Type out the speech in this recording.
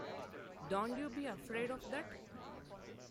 Don't you be afraid of that!